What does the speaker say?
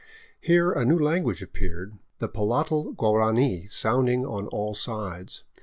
Here a new language appeared, the palatal Guarani sounding on all sides.